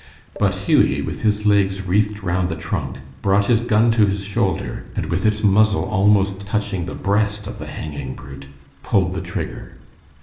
But Hughie, with his legs wreathed round the trunk, brought his gun to his shoulder, and with its muzzle almost touching the breast of the hanging brute, pulled the trigger.